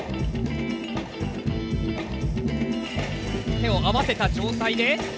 手を合わせた状態で。